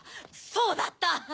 そうだった！